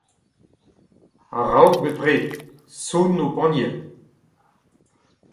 A-raok bepred, sonn ho panniel.